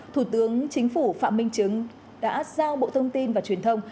thủ tướng chính phủ phạm minh chứng đã giao bộ thông tin và truyền thông